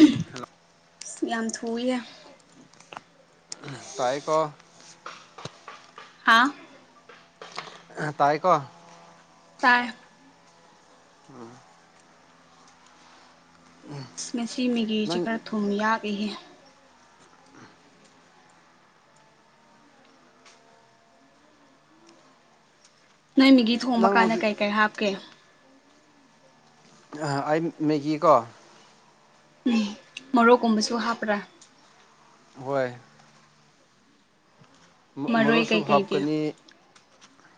ꯎꯝ hello ꯑꯁ ꯌꯥꯝ ꯊꯨꯏꯌꯦ ꯇꯥꯏꯀꯣ ꯍꯥꯥ ꯇꯥꯏꯀꯣ ꯇꯥꯏ ꯎꯝ ꯑꯥ ꯉꯁꯤ ꯃꯤꯒꯤ ꯁꯦ ꯅꯪ ꯈꯔ ꯊꯨꯝ ꯌꯥꯛ ꯑꯦ ꯍꯦ ꯅꯣꯏ ꯃꯤꯒꯤ ꯊꯣꯡꯕ ꯅꯪ ꯀꯥꯟꯗ ꯍꯧꯖꯤꯛ ꯀꯩ ꯀꯩ ꯍꯥꯞꯀꯦ ꯍ ꯑꯩ ꯃꯦꯒꯤꯀꯣ ꯃꯣꯔꯨꯞꯀꯨꯝꯕꯁꯨ ꯍꯥꯞꯄ꯭ꯔꯥ ꯍꯣꯏ ꯃꯔꯣꯏ ꯃꯔꯨꯞꯁꯨ ꯀꯩꯀꯩꯒꯤ ꯍꯥꯞꯀꯅꯤ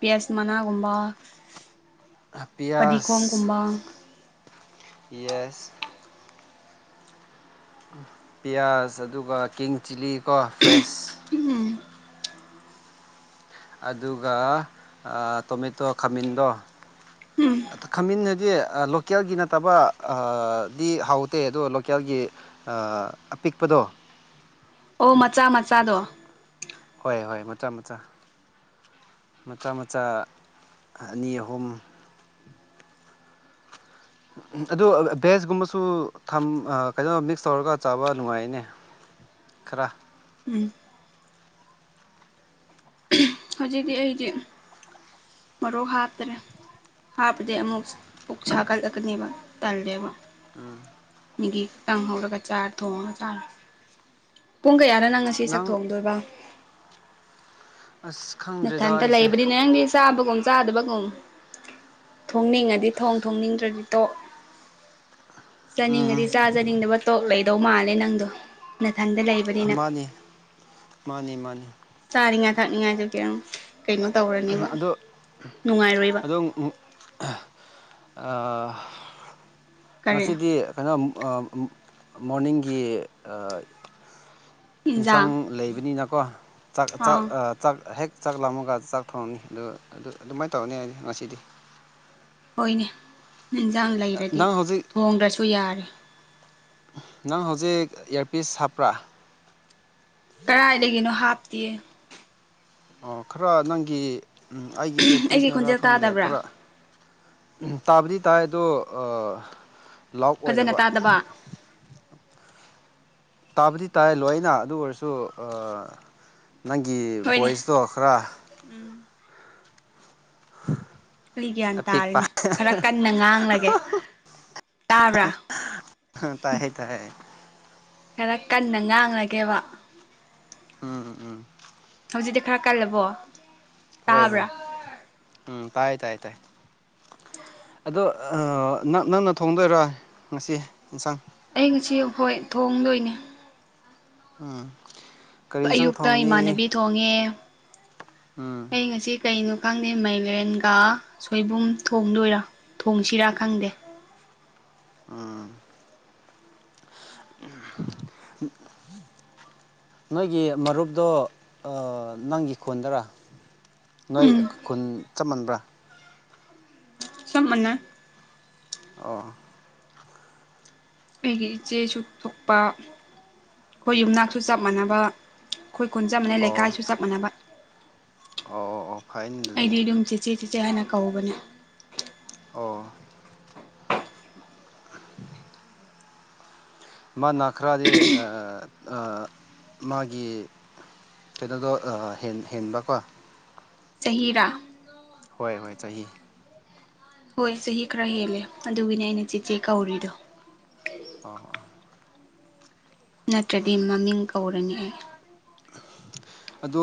ꯄꯤꯌꯥꯖ ꯃꯅꯥꯒꯨꯝꯕ ꯄꯤꯌꯥꯁ ꯄꯗꯤꯈꯣꯝꯒꯨꯝꯕ ꯌꯦꯁ ꯄꯤꯌꯥꯁ ꯑꯗꯨꯒ ꯀꯤꯡ ꯆꯤꯜꯂꯤ ꯀꯣ ꯐ꯭ꯔꯦꯁ ꯑꯗꯨꯒ ꯇꯣꯃꯦꯇꯣ ꯈꯥꯃꯦꯟꯗꯣ ꯎꯝ ꯈꯥꯃꯦꯟ ꯍꯥꯏꯗꯤ ꯂꯣꯀꯦꯜꯒꯤ ꯅꯠꯇꯕ ꯑꯥ ꯗꯤ ꯍꯥꯎꯇꯦ ꯑꯗꯣ ꯂꯣꯀꯦꯜꯒꯤ ꯑꯄꯤꯛꯄꯗꯣ ꯑꯣ ꯃꯆꯥ ꯃꯆꯥꯗꯣ ꯍꯣꯏ ꯍꯣꯏ ꯃꯆꯥ ꯃꯆꯥ ꯃꯆꯥ ꯃꯆꯥ ꯑꯅꯤ ꯑꯍꯨꯝ ꯑꯗꯨ ꯚꯦꯖꯀꯨꯝꯕꯁꯨ ꯊꯝ ꯑꯥ ꯀꯩꯅꯣ ꯃꯤꯛꯁ ꯇꯧꯔꯒ ꯆꯥꯕ ꯅꯨꯡꯉꯥꯏꯌꯦꯅꯦ ꯈꯔ ꯎꯝ ꯍꯧꯖꯤꯛꯇꯤ ꯑꯩꯗꯤ ꯃꯔꯣꯛ ꯍꯥꯞꯇ꯭ꯔꯦ ꯍꯥꯞꯄꯗꯤ ꯑꯃꯨꯛ ꯄꯨꯛ ꯁꯥꯒꯠꯂꯛꯀꯅꯦꯕ ꯇꯜꯂꯦꯕ ꯃꯤꯒꯤ ꯈꯤꯇꯪ ꯍꯧꯔꯒ ꯆꯥꯛ ꯊꯣꯡꯉꯒ ꯆꯥꯔꯦ ꯄꯨꯡ ꯀꯌꯥꯅ ꯅꯪ ꯉꯁꯤ ꯆꯥꯛ ꯊꯣꯡꯗꯣꯏꯕ ꯑꯁ ꯈꯪꯗ꯭ꯔꯦꯗ ꯅꯊꯟꯇ ꯑꯩꯁꯦ ꯂꯩꯕꯅꯤꯅꯦ ꯅꯪꯗꯤ ꯆꯥꯕꯒꯨꯝ ꯆꯥꯗꯕꯒꯨꯝ ꯎꯝ ꯊꯣꯡꯅꯤꯡꯉꯗꯤ ꯊꯣꯡ ꯊꯣꯡꯅꯤꯡꯗ꯭ꯔꯗꯤ ꯇꯣꯛ ꯆꯥꯅꯤꯡꯉꯗꯤ ꯎꯝ ꯆꯥ ꯆꯥꯅꯤꯡꯗꯕ ꯇꯣꯛ ꯂꯩꯗꯧ ꯃꯥꯜꯂꯦ ꯅꯪꯗꯣ ꯅꯊꯟꯗ ꯑꯥ ꯂꯩꯕꯅꯤꯅ ꯃꯥꯅꯤ ꯃꯥꯅꯤ ꯃꯥꯅꯤ ꯆꯅꯤꯡꯉꯥ ꯊꯛꯅꯤꯡꯉꯥꯏꯁꯨ ꯀꯩꯝ ꯀꯩꯅꯣ ꯇꯧꯔꯅꯦꯕ ꯑꯗꯣ ꯅꯨꯡꯉꯥꯏꯔꯣꯏꯕ ꯑꯥ ꯀꯔꯤ ꯉꯁꯤꯗꯤ ꯀꯩꯅꯣ ꯑꯥ ꯃꯣꯔꯅꯤꯡꯒꯤ ꯏꯟꯁꯥꯡ ꯏꯟꯖꯥꯡ ꯂꯩꯕꯅꯤꯅ ꯀꯣ ꯆꯥꯛ ꯆꯥꯛ ꯑꯥ ꯆꯥꯛ ꯍꯦꯛ ꯆꯥꯛ ꯂꯥꯝꯃꯒ ꯆꯥꯛ ꯊꯣꯡꯉꯅꯤ ꯑꯗꯨ ꯑꯗꯨ ꯑꯗꯨꯃꯥꯏꯅ ꯇꯧꯔꯅꯤ ꯍꯥꯏꯗꯤ ꯉꯁꯤꯗꯤ ꯍꯣꯏꯅꯦ ꯏꯟꯁꯥꯡ ꯂꯩꯔꯗꯤ ꯅꯪ ꯍꯧꯖꯤꯛ ꯊꯣꯡꯗ꯭ꯔꯁꯨ ꯌꯥꯔꯦ ꯅꯪ ꯍꯧꯖꯤꯛ ꯏꯌꯥꯔꯄꯤꯁ ꯍꯥꯞꯄ꯭ꯔꯥ ꯀꯗꯥꯥꯏꯗꯒꯤꯅꯣ ꯍꯥꯞꯇꯦ ꯑꯣ ꯈꯔ ꯅꯪꯒꯤ ꯑꯩꯒꯤ ꯑꯦꯔꯄꯤꯁꯅꯔ ꯈꯣꯟꯖꯦꯜ ꯈꯪꯗꯦ ꯇꯥꯗꯕ꯭ꯔꯥ ꯈꯔ ꯎꯝ ꯇꯥꯕꯗꯤ ꯇꯥꯏ ꯑꯗꯣ ꯑꯥ ꯂꯥꯎꯠ ꯐꯖꯅ ꯑꯣꯏꯗꯕ ꯇꯥꯗꯕ ꯇꯥꯕꯨꯗꯤ ꯇꯥꯏ ꯂꯣꯏꯅ ꯑꯗꯨ ꯑꯣꯏꯔꯁꯨ ꯑꯥ ꯅꯪꯒꯤ ꯍꯣꯏꯅꯦ ꯚꯣꯏꯁꯇꯣ ꯈꯔ ꯎꯝ [inaudible] ꯑꯩ ꯒ꯭ꯌꯥꯟ ꯑꯄꯤꯛꯄ ꯇꯥꯔꯦꯅꯦ ꯈꯔ ꯀꯟꯅ ꯉꯥꯡꯂꯒꯦ ꯇꯥꯕ꯭ꯔꯥ ꯇꯥꯏꯌꯦ ꯇꯥꯏꯌꯦ ꯈꯔ ꯀꯟꯅ ꯉꯥꯡꯂꯒꯦꯕ ꯎꯝ ꯎꯝ ꯍꯧꯖꯤꯛꯗꯤ ꯈꯔ ꯀꯥꯜꯂꯕꯣ ꯍꯣꯏ ꯍꯣꯏ ꯎꯝ ꯇꯥꯏ ꯇꯥꯏ ꯇꯥꯏ ꯑꯗꯣ ꯅ ꯅꯪꯅ ꯊꯣꯡꯗꯣꯏꯔ ꯉꯁꯤ ꯌꯦꯟꯁꯥꯡ ꯑꯩ ꯉꯁꯤ ꯍꯣꯏ ꯊꯣꯡꯗꯣꯏꯅꯦ ꯎꯝ ꯀꯔꯤ ꯏꯟꯁꯥꯡ ꯑꯌꯨꯛꯇ ꯊꯣꯡꯅꯤ ꯏꯃꯥꯟꯅꯕꯤ ꯊꯣꯡꯉꯦ ꯎꯝ ꯑꯩ ꯉꯁꯤ ꯀꯩꯅꯣ ꯈꯪꯗꯦ ꯃꯥꯏꯂꯦꯟꯒ ꯁꯣꯏꯕꯨꯝ ꯊꯣꯡꯗꯣꯏꯔꯥ ꯊꯣꯡꯁꯤꯔꯥ ꯈꯪꯗꯦ ꯑꯝ ꯎ [inaudible] ꯅꯣꯏꯒꯤ ꯃꯔꯨꯞꯇꯣ ꯑꯥ ꯅꯪꯒꯤ ꯈꯣꯟꯗꯔꯥ ꯅꯣꯏ ꯎꯝ ꯈꯨꯟ ꯆꯞꯃꯟꯕ꯭ꯔꯥ ꯆꯞ ꯃꯥꯟꯅꯩ ꯑꯣ ꯑꯩꯒꯤ ꯏꯆꯦꯁꯨ ꯊꯣꯛꯄ ꯑꯩꯈꯣꯏ ꯌꯨꯝꯅꯥꯛꯁꯨ ꯆꯞ ꯃꯥꯟꯅꯕ ꯑꯩꯈꯣꯏ ꯈꯨꯟ ꯆꯞ ꯃꯥꯟꯅꯩ ꯂꯩꯀꯥꯏꯁꯨ ꯆꯞ ꯃꯥꯟꯅꯕ ꯑꯣ ꯑꯣ ꯑꯣ ꯐꯩꯅꯦ ꯑꯗꯨꯗꯤ ꯁꯤꯆꯦ ꯍꯥꯏꯅ ꯀꯧꯕꯅꯤ ꯑꯣ ꯃꯥ ꯅꯥ ꯈꯔꯗꯤ ꯑꯥ ꯑꯥ ꯃꯥꯒꯤ ꯀꯩꯅꯣ ꯍꯦꯟꯕꯀꯣ ꯆꯍꯤꯔꯥ ꯍꯣꯏ ꯍꯣꯏ ꯆꯍꯤ ꯍꯣꯏ ꯆꯍꯤ ꯈꯔ ꯍꯦꯜꯂꯦ ꯑꯗꯨꯒꯤꯅꯦ ꯑꯩꯅ ꯆꯦꯆꯦ ꯀꯧꯔꯤꯗꯣ ꯑꯣ ꯑꯣ ꯅꯠꯇ꯭ꯔꯗꯤ ꯃꯃꯤꯡ ꯀꯧꯔꯅꯤ ꯑꯩ ꯑꯗꯣ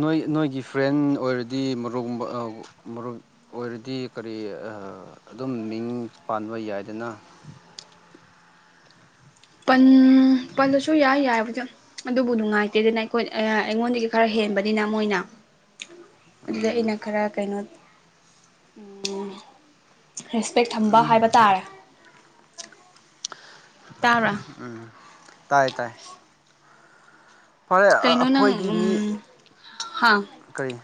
ꯅꯣꯏ ꯅꯣꯏꯒꯤ ꯐ꯭ꯔꯦꯟ ꯑꯣꯏꯔꯗꯤ ꯃꯔꯨꯞꯨꯝꯕ ꯃꯔꯨꯞ ꯑꯣꯏꯔꯗꯤ ꯀꯔꯤ ꯑꯥ ꯑꯗꯨꯝ ꯃꯤꯡ ꯄꯥꯟꯕ ꯌꯥꯏꯗꯅ ꯄꯜꯂꯁꯨ ꯌꯥꯏ ꯌꯥꯏꯕꯨꯗꯤ ꯑꯗꯨꯕꯨ ꯅꯨꯡꯉꯥꯏꯇꯦꯗꯅ ꯑꯩꯈꯣꯏ ꯑꯩꯉꯣꯟꯗꯒꯤ ꯈꯔ ꯍꯦꯟꯜꯂꯤ ꯍꯦꯟꯕꯅꯤꯅ ꯃꯣꯏꯅ [inaudible] ꯑꯗꯨꯗ ꯑꯩꯅ ꯈꯔ ꯀꯩꯅꯣ ꯎꯝ ꯔꯦꯁꯄꯦꯛ ꯊꯝꯕ ꯍꯥꯏꯕ ꯇꯥꯔꯦ ꯇꯕ꯭ꯔꯥ ꯇꯥꯏ ꯇꯥꯏ ꯐꯔꯦ ꯀꯩꯅꯣ ꯅꯪ ꯑꯩꯈꯣꯏꯒꯤ ꯃꯤ ꯎꯝ ꯍꯥ ꯀꯔꯤ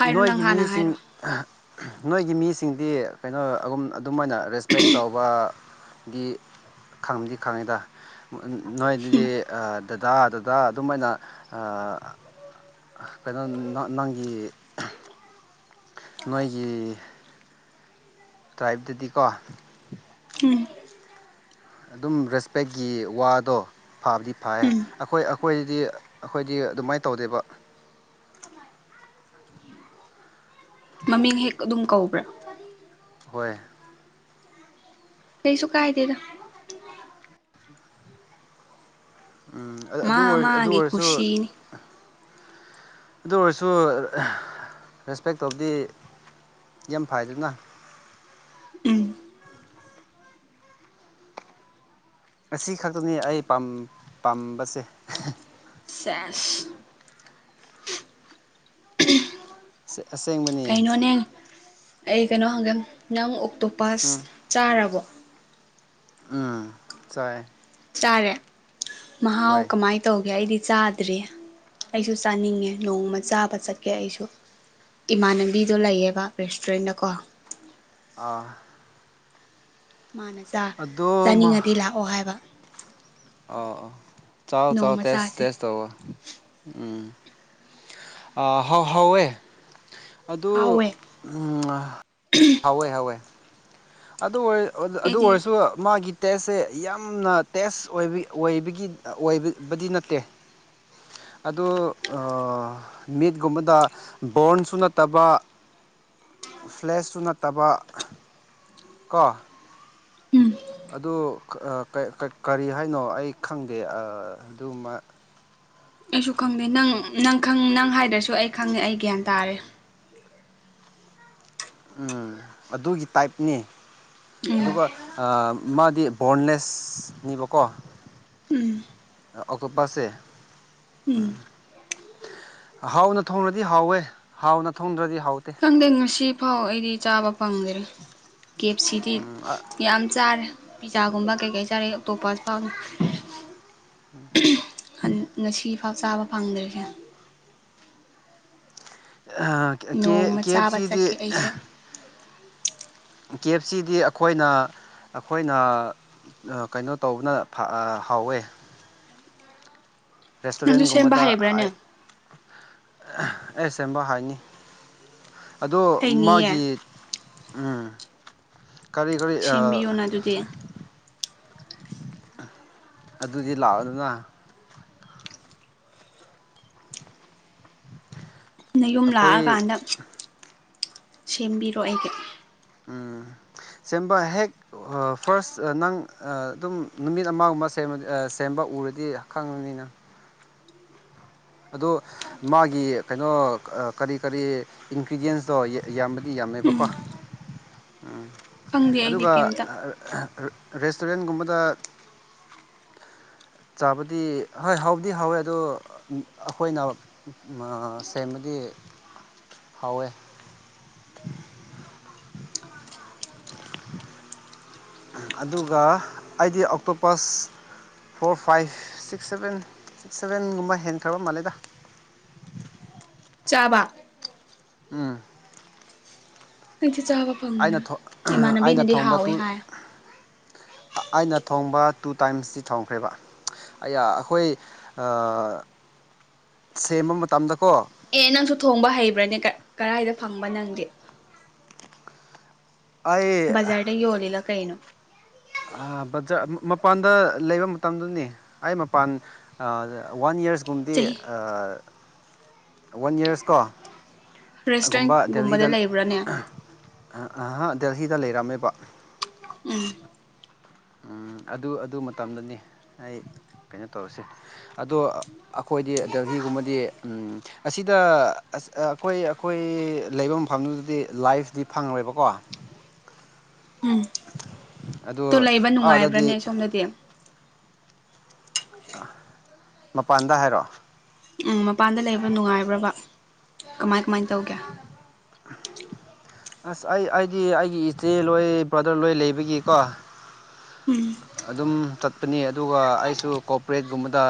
ꯍꯥꯏꯔꯣ ꯅꯪ ꯅꯣꯏꯒꯤ ꯍꯥꯟꯅ ꯃꯤꯁꯤꯡ ꯍꯥꯏꯔꯣ ꯅꯣꯏꯒꯤ ꯃꯤꯁꯤꯡꯗꯤ ꯀꯩꯅꯣ ꯑꯗꯨꯨꯝ ꯑꯗꯨꯃꯥꯏꯅ ꯔꯦꯁꯄꯦꯛ ꯇꯧꯕ ꯒꯤ ꯈꯪꯗꯤ ꯈꯪꯉꯤꯗ ꯅꯣꯏꯗꯤ ꯗꯗꯥ ꯗꯗꯥ ꯑꯗꯨꯃꯥꯏꯅ ꯑꯥ ꯀꯩꯅꯣ ꯅꯪꯒꯤ ꯅꯣꯏꯒꯤ ꯇ꯭ꯔꯥꯏꯕꯗꯨꯗꯤ ꯀꯣ ꯎꯝ ꯑꯗꯨꯝ ꯔꯦꯁꯄꯦꯛꯀꯤ ꯋꯥꯗꯣ ꯐꯥꯕꯗꯤ ꯐꯩꯌꯦ ꯎꯝ ꯑꯩꯈꯣꯏ ꯑꯩꯈꯣꯏꯗꯤ ꯑꯩꯈꯣꯏꯗꯤ ꯑꯗꯨꯃꯥꯏꯅ ꯇꯧꯗꯦꯕ ꯃꯃꯤꯡ ꯍꯦꯛ ꯑꯗꯨꯝ ꯀꯧꯕ꯭ꯔꯥ ꯍꯣꯏ ꯀꯩꯁꯨ ꯀꯥꯏꯗꯦꯗ ꯎꯝ ꯃꯥ ꯑꯗꯨ ꯑꯣꯏꯔꯁꯨ ꯑꯗꯨ ꯃꯥꯒꯤ ꯑꯣꯏꯔꯁꯨ ꯀꯨꯁꯤꯅꯤ ꯑꯗꯨ ꯑꯣꯏꯔꯁꯨ ꯔꯦꯁꯄꯦꯛ ꯇꯧꯕꯗꯤ ꯌꯥꯝ ꯐꯩꯗꯅ ꯎꯝ ꯑꯁꯤ ꯈꯛꯇꯅꯤ ꯑꯩ ꯄꯥꯝ ꯄꯥꯝꯕꯁꯦ ꯆꯦꯁ ꯑꯁꯦꯡꯕꯅꯤ ꯀꯩꯅꯣꯅꯦ ꯑꯩ ꯀꯩꯅꯣ ꯍꯪꯒꯦ ꯅꯪ ꯎꯝ ꯑꯣꯛꯇꯣꯄꯁ ꯆꯥꯔꯕꯣ ꯎꯝ ꯆꯥꯏ ꯆꯥꯔꯦ ꯃꯍꯥꯎ ꯍꯣꯏ ꯀꯃꯥꯏꯅ ꯇꯧꯒꯦ ꯑꯩꯗꯤ ꯆꯥꯗ꯭ꯔꯔꯤ ꯑꯩꯁꯨ ꯆꯥꯅꯤꯡꯉꯦ ꯅꯣꯡꯃ ꯆꯥꯕ ꯆꯠꯀꯦ ꯑꯩꯁꯨ ꯏꯃꯥꯟꯅꯕꯤꯗꯣ ꯂꯩꯌꯦꯕ ꯔꯦꯁꯇꯨꯔꯦꯟꯗꯀꯣ ꯑꯥ ꯃꯥꯅ ꯆ ꯑꯗꯣ ꯆꯥꯅꯤꯡꯉꯗꯤ ꯂꯥꯛꯑꯣ ꯍꯥꯏꯕ ꯑꯣ ꯑꯣ ꯆꯥꯎ ꯆꯥꯎ ꯅꯣꯡꯃ ꯇꯦꯁ ꯆꯥꯁꯦ ꯇꯦꯁ ꯇꯧꯑꯣ ꯎꯝ ꯍꯥ ꯍꯥ ꯍꯥꯎꯋꯦ ꯑꯗꯨ ꯍꯥꯎꯋꯦ ꯍꯥꯎꯋꯦ ꯍꯥꯎꯋꯦ ꯑꯗꯨ ꯑꯣꯏ ꯑꯗꯨ ꯑꯩꯗꯤ ꯑꯣꯏꯔꯁꯨ ꯃꯥꯒꯤ ꯇꯦꯁꯁꯦ ꯌꯥꯝꯅ ꯇꯦꯁ ꯑꯣꯏ ꯑꯣꯏꯕꯒꯤ ꯑꯣꯏꯕꯕꯗꯤ ꯅꯠꯇꯦ ꯑꯗꯨ ꯃꯤꯠꯀꯨꯝꯕꯗ ꯕꯣꯔꯟꯁꯨ ꯅꯠꯇꯕ ꯐ꯭ꯂꯦꯁꯁꯨ ꯅꯠꯇꯕ ꯀꯣ ꯎꯝ ꯑꯗꯨ ꯑꯥ ꯀꯔꯤ ꯍꯥꯏꯅꯣ ꯑꯩ ꯈꯪꯗꯦ ꯑꯥ ꯑꯗꯨꯃ ꯑꯩꯁꯨ ꯈꯪꯗꯦ ꯅꯪ ꯅꯪ ꯅꯪ ꯍꯥꯏꯗ꯭ꯔꯁꯨ ꯑꯩ ꯈꯪꯉꯦ ꯑꯩ ꯒ꯭ꯌꯥꯟ ꯇꯥꯔꯦ ꯎꯝ ꯑꯗꯨꯒꯤ ꯇꯥꯏꯞꯅꯤ ꯎꯝ ꯑꯗꯨꯒ ꯑꯥ ꯃꯥꯗꯤ ꯕꯔ꯭ꯣꯟꯅꯦꯁꯅꯤꯕ ꯀꯣ ꯎꯝ ꯑꯣꯛꯇꯣꯄꯁ ꯁꯦ ꯎꯝ ꯍꯥꯎꯅ ꯊꯣꯡꯅꯗꯤ ꯍꯥꯎꯋꯦ ꯍꯥꯎꯅ ꯊꯣꯡꯗ꯭ꯔꯗꯤ ꯍꯥꯎ ꯈꯪꯗꯦ ꯉꯁꯤ ꯐꯥꯎ ꯑꯩꯗꯤ ꯆꯥꯕ ꯐꯪꯗ꯭ꯔꯤ ꯀꯦꯞ ꯁꯤꯗꯤ ꯎꯝ ꯌꯥꯝ ꯆꯥꯔꯦ ꯄꯤꯖꯥꯒꯨꯝꯕ ꯀꯩꯀꯩ ꯆꯥꯔꯦ ꯑꯣꯛꯇꯣꯄꯁ ꯐꯥ ꯎꯝ ꯉꯁꯤꯐꯥꯎ ꯆꯥꯕ ꯐꯪꯗ꯭ꯔꯤꯁꯦ ꯑꯍꯀꯦ ꯅꯣꯡꯃ ꯀꯦ ꯑꯦꯐ ꯆꯥꯕ ꯁꯤꯗꯤ ꯆꯠꯀꯦ ꯑꯩꯁꯨ ꯀꯦꯐ ꯁꯤꯗꯤ ꯑꯈꯣꯏꯅ ꯑꯈꯣꯏꯅ ꯀꯩꯅꯣ ꯇꯧꯕꯅ ꯍꯥꯎꯋꯦ ꯅꯪꯁꯨ ꯁꯦꯝꯕ ꯔꯦꯁꯇꯨꯔꯦꯟꯒꯨꯝꯕꯗ ꯍꯩꯕ꯭ꯔꯥꯅꯦ ꯑꯦ ꯁꯦꯝꯕ ꯍꯥꯏꯅꯤ ꯑꯗꯣ ꯍꯩꯅꯤꯌꯦ ꯃꯥꯒꯤ ꯎꯝ ꯀꯔꯤ ꯀꯔꯤ ꯑ ꯁꯦꯝꯕꯤꯌꯣꯅ ꯑꯗꯨꯗꯤ ꯑꯗꯨꯗꯤ ꯂꯥꯛꯑꯣ ꯗꯅ ꯅ ꯌꯨꯝ ꯑꯩꯈꯣꯏ ꯂꯥꯛꯑꯀꯥꯟꯗ ꯁꯦꯝꯕꯤꯔꯣ ꯑꯩꯒꯤ ꯎꯝ ꯁꯦꯝꯕ ꯍꯦꯛ ꯐꯥꯔꯁ ꯅꯪ ꯑꯗꯨꯝ ꯅꯨꯃꯤꯠ ꯑꯃꯒꯨꯝꯕ ꯁꯦꯝꯕ ꯁꯦꯝ ꯕ ꯎꯔꯗꯤ ꯈꯪꯉꯅꯤ ꯅꯪ ꯑꯗꯣ ꯃꯥꯒꯤ ꯀꯩꯅꯣ ꯀꯔꯤ ꯀꯔꯤ ꯏꯟꯒ꯭ꯔꯤꯗꯤꯌꯦꯟꯁꯇꯣ ꯌꯥꯝꯕꯗꯤ ꯌꯥꯝ ꯇꯝꯃꯦꯕꯀꯣ ꯎꯝ ꯈꯪꯗꯦ ꯑꯩꯗꯤ ꯑꯗꯨꯒ ꯀꯩꯝꯇ ꯔꯦꯁꯇꯨꯔꯦꯟꯒꯨꯝꯕꯗ ꯆꯥꯕꯗꯤ ꯍꯣꯏ ꯍꯥꯎꯗꯤ ꯍꯥꯎꯋꯦ ꯑꯗꯣ ꯑꯩꯈꯣꯏꯅ ꯁꯦꯝꯃꯗꯤ ꯗꯤ ꯍꯧꯋꯦ ꯑꯗꯨꯒ ꯑꯩꯗꯤ ꯑꯣꯛꯇꯣ ꯄꯁ four five six seven six ꯁꯚꯦꯟꯒꯨꯝꯕ ꯍꯦꯟꯈ꯭ꯔꯕ ꯃꯥꯜꯂꯦꯗ [inaudible] ꯆꯥꯕ ꯎꯝ ꯑꯩꯗꯤ ꯆꯥꯕ ꯐꯪꯗꯦ ꯑꯩꯅ ꯑꯩꯅ ꯏꯃꯥꯟꯅꯕꯤꯅꯗꯤ ꯊꯣꯡꯕ ꯍꯥꯎꯋꯦ ꯇꯨ ꯍꯥꯏ ꯑꯩꯅ ꯊꯣꯡꯕ ꯇꯨ ꯇꯥꯏꯝꯁꯇꯤ ꯊꯣꯡꯈ꯭ꯔꯦꯕ ꯑꯌꯥ ꯑꯈꯣꯏ ꯑ ꯁꯦꯝꯕ ꯃꯇꯝꯗꯀꯣ ꯑꯦ ꯅꯪꯁꯨ ꯊꯣꯡꯕ ꯍꯩꯕ꯭ꯔꯅꯦ ꯀꯔꯥꯏꯗ ꯐꯪꯕ ꯅꯪꯗꯤ ꯑꯩ ꯕꯖꯔꯗ ꯌꯣ ꯂꯤꯂꯣ ꯀꯩꯅꯣ ꯕꯖꯔ ꯃꯄꯥꯟꯗ ꯂꯩꯕ ꯃꯇꯝꯗꯨꯅꯤ ꯑꯩ ꯃꯄꯥꯟ ꯋꯥꯟ ꯌꯔꯁ ꯄꯨꯝꯗꯤ ꯆꯍꯤ ꯑ ꯋꯥꯟ ꯌꯔꯁ ꯀꯣ ꯀꯨꯝꯕ ꯔꯦꯁꯇꯨꯔꯦꯟꯒꯨꯝꯕꯗ ꯗꯦꯜꯍꯤꯗ ꯂꯩꯕ꯭ꯔꯥꯅꯦ [unintelligible] ꯗꯦꯜꯍꯤꯗ ꯂꯩꯔꯝꯃꯦꯕ ꯎꯝ ꯎ ꯑꯗꯨ ꯑꯗꯨ ꯃꯇꯝꯗꯅꯤ ꯑꯩ ꯀꯩꯅꯣ ꯇꯧꯔꯁꯤ ꯑꯗꯣ ꯑꯈꯣꯏ ꯑꯩꯈꯣꯏꯗꯤ ꯗꯦꯜꯍꯤꯒꯨꯝꯕꯗꯤ ꯑꯁꯤꯗ ꯑꯩꯈꯣꯏ ꯑꯩꯈꯣꯏ ꯂꯩꯕꯝ ꯐꯪ ꯑꯗꯨꯗꯤ ꯂꯥꯏꯐꯇꯤ ꯐꯪꯔꯣꯏꯕꯀꯣ ꯎꯝ ꯇꯣ ꯑꯗꯨ ꯂꯩꯕ ꯑꯥꯗꯗꯤ ꯅꯨꯡꯉꯥꯏꯕ꯭ꯔꯅꯦ ꯁꯣꯝꯗꯗꯤ ꯑ ꯃꯄꯥꯟꯗ ꯍꯥꯏꯔꯣ ꯎꯝ ꯃꯄꯥꯟꯗ ꯂꯩꯕ꯭ꯔ ꯅꯨꯡꯉꯥꯏꯕ꯭ꯔꯕ ꯀꯃꯥꯏ ꯀꯃꯥꯏꯟ ꯇꯧꯒꯦ ꯑꯁ ꯑꯩ ꯑꯩꯗꯤ ꯑꯩꯒꯤ ꯏꯆꯦ ꯂꯣꯏ ꯕ꯭ꯔꯗꯔ ꯂꯣꯏ ꯂꯩꯕꯒꯤꯀꯣ ꯎꯝ ꯑꯗꯨꯝ ꯆꯠꯄꯅꯤ ꯑꯗꯨꯒ ꯑꯩꯁꯨ ꯀꯣꯄꯔꯦꯠꯀꯨꯝꯕꯗ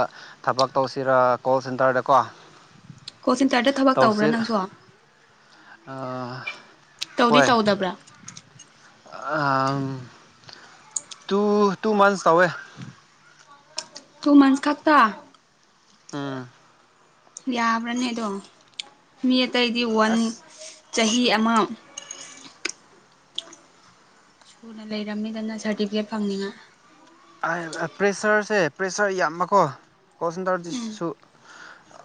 ꯊꯕꯛ ꯇꯧꯁꯤꯔ ꯀꯣꯜ ꯁꯦꯟꯇꯔꯗꯀꯣ [inaudible] ꯀꯣꯆ ꯁꯦꯟꯇꯔꯗ ꯊꯕꯛ ꯇꯧꯕ꯭ꯔꯥ ꯅꯪꯁꯨ ꯑ ꯇꯧꯗꯤ ꯇꯧꯗꯕ꯭ꯔꯥ ꯑ ꯇꯨ ꯇꯨ ꯃꯟꯁ ꯇꯧꯋꯦ ꯇꯨ ꯃꯟꯁ ꯈꯛꯇ ꯎꯝ ꯌꯕ꯭ꯔꯅꯦ ꯑꯗꯣ ꯃꯤ ꯑꯇꯩꯗꯤ ꯋꯥꯟ ꯆꯍꯤ ꯑꯃ ꯁꯨꯅ ꯂꯩꯔꯝꯅꯤꯗꯅ ꯁꯥꯔꯇꯤꯐꯤꯀꯦꯠ ꯐꯪꯅꯤꯡꯉꯏ ꯄ꯭ꯔꯦꯁꯔꯁꯦ ꯄ꯭ꯔꯦꯁꯔ ꯌꯥꯝꯕꯀꯣ ꯎꯝ ꯀꯣꯜꯁꯦꯟꯇꯔꯗꯤꯁꯨ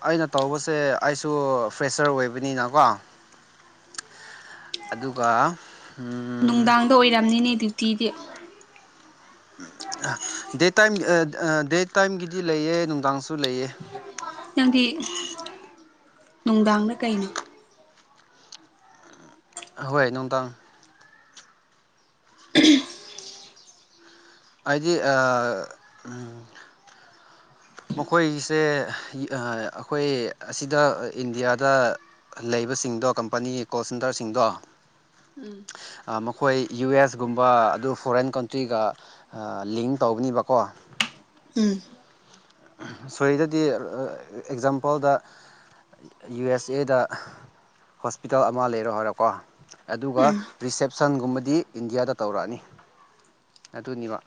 ꯑꯩꯅ ꯇꯧꯕꯁꯦ ꯑꯩꯁꯨ ꯐ꯭ꯔꯦꯁꯔ ꯑꯣꯏꯕꯅꯤꯅꯀꯣ ꯑꯗꯨꯒ ꯎꯝ ꯅꯨꯡꯗꯡꯗ ꯑꯣꯏꯔꯝꯅꯤꯅꯦ ꯗ꯭ꯌꯨꯇꯤꯗꯤ ꯗꯦ ꯇꯏꯝ ꯑꯥ ꯑꯥ ꯗꯦ ꯇꯏꯝꯒꯤꯗꯤ ꯂꯩꯌꯦ ꯅꯨꯡꯗꯡꯁꯨ ꯂꯩꯌꯦ ꯅꯪꯗꯤ ꯅꯨꯡꯗꯡꯅ ꯀꯩꯅꯣ ꯍꯣꯏ ꯅꯨꯡꯗꯥꯡ ꯑꯩꯗꯤ ꯑꯥ ꯎꯝ ꯃꯈꯣꯏꯁꯦ ꯑꯥ ꯑꯈꯣꯏ ꯑꯁꯤꯗ ꯏꯟꯗꯤꯌꯥꯗ ꯂꯩ ꯂꯩꯕꯁꯤꯡꯗꯣ ꯀꯝꯄꯅꯤꯒꯤ ꯀꯣꯜ ꯁꯦꯟꯇꯔꯁꯤꯡꯗꯣ ꯎꯝ ꯑꯥ ꯃꯈꯣꯏ ꯌꯨ ꯑꯦꯁꯒꯨꯝꯕ ꯑꯗꯨ ꯐꯣꯔꯦꯟ ꯀꯟꯇ꯭ꯔꯤꯒ ꯂꯤꯡ ꯇꯧꯒꯅꯤꯕꯀꯣ ꯎꯝ ꯁꯣꯏꯗꯗꯤ ꯑꯦꯛꯖꯥꯝꯄꯜꯗ ꯌꯨ ꯑꯦꯁ ꯑꯦꯗ ꯍꯣꯁꯄꯤꯇꯜ ꯑꯃ ꯂꯩꯔꯣ ꯍꯥꯏꯔꯣꯀꯣ ꯑꯗꯨꯒ ꯎꯝ ꯔꯤꯁꯦꯞꯁꯟꯒꯨꯝꯕꯗꯤ ꯏꯟꯗꯤꯌꯥꯗ ꯇꯧꯔꯛꯑꯅꯤ ꯑꯗꯨꯅꯦꯕ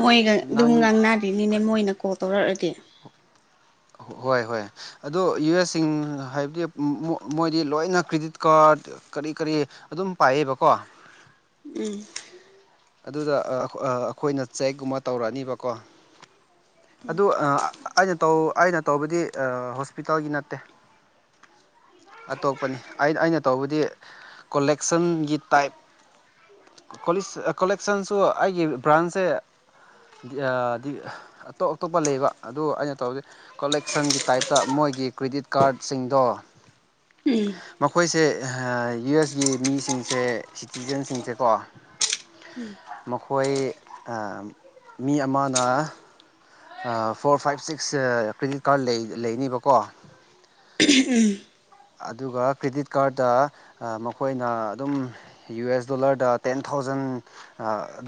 ꯃꯣꯏꯒ ꯑꯗꯨꯝ ꯅꯪ ꯉꯥꯡꯅꯗꯣꯏꯅꯤꯅꯦ ꯃꯣꯏꯅ ꯀꯣꯜ ꯇꯧꯔꯛꯔꯗꯤ ꯍꯣꯏ ꯍꯣꯏ ꯑꯣ ꯌꯨ ꯑꯦꯁꯁꯤꯡ ꯍꯥꯏꯕꯗꯤ ꯃꯣꯏꯗꯤ ꯂꯣꯏꯅ ꯀ꯭ꯔꯦꯗꯤꯠ ꯀꯥꯔꯠ ꯀꯔꯤ ꯀꯔꯤ ꯑꯗꯨꯝ ꯄꯥꯏꯌꯦꯕꯀꯣ ꯎꯝ ꯑꯗꯨꯗ ꯑꯈꯣꯏꯅ ꯆꯦꯛꯒꯨꯝꯕ ꯇꯧꯔꯛꯑꯅꯤꯕꯀꯣ ꯑꯗꯨ ꯑꯩꯅ ꯇꯧ ꯑꯩꯅ ꯇꯧꯕꯗꯤ ꯍꯣꯁꯄꯤꯇꯜꯒꯤ ꯅꯠꯇꯦ [inaudible] ꯑꯇꯣꯞꯄꯅꯤ ꯑꯩꯅ ꯇꯧꯕꯗꯤ ꯀꯣꯂꯦꯛꯁꯟꯒꯤ ꯇꯏꯞ ꯀꯣꯂꯤꯁ ꯀꯣꯂꯦꯛꯁꯟꯁꯨ ꯑꯩꯒꯤ ꯕ꯭ꯔꯟꯁꯦ ꯗꯤ ꯑꯥ ꯗꯤ ꯑꯇꯣꯞ ꯑꯇꯣꯞꯄ ꯂꯩꯕ ꯑꯗꯨ ꯑꯩꯅ ꯇꯧꯕꯗꯤ ꯀꯣꯂꯦꯛꯁꯟꯒꯤ ꯇꯥꯏꯞꯇ ꯃꯣꯏ ꯑꯈꯣꯏꯒꯤ ꯀ꯭ꯔꯦꯗꯤꯠ ꯀꯥꯔꯠꯁꯤꯡꯗꯣ ꯎꯝ ꯃꯈꯣꯏꯁꯦ ꯌꯨ ꯑꯦꯁꯒꯤ ꯃꯤꯁꯤꯡꯁꯦ ꯁꯤꯇꯤꯖꯦꯟꯁꯤꯡꯁꯦꯀꯣ ꯃꯈꯣꯏ ꯑꯥ ꯃꯤ ꯑꯃꯅ ꯑꯥ ꯐꯣꯔ ꯐꯏꯚ ꯁꯤꯛꯁ ꯑꯥ ꯀ꯭ꯔꯦꯗꯤꯠ ꯀꯥꯔꯠ ꯂꯩ ꯂꯩꯅꯤꯕꯀꯣ ꯑꯍꯝ ꯎꯝ ꯑꯗꯨꯒ ꯀ꯭ꯔꯤꯗꯤꯠ ꯀꯥꯔꯠꯇ ꯃꯈꯣꯏꯅ ꯑꯗꯨꯝ ꯌꯨ ꯑꯦꯁ ꯗꯣꯂꯔꯗ ꯇꯦꯟ ꯊꯥꯎ ꯖꯟ ꯑꯥ